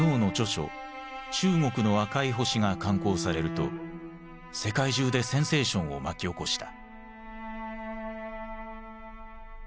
「中国の赤い星」が刊行されると世界中でセンセーションを巻き起こした。